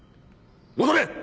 戻れ。